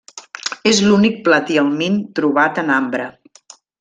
És l'únic platihelmint trobat en ambre.